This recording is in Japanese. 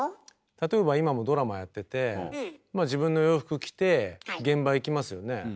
例えば今もドラマやっててまあ自分の洋服着て現場行きますよね。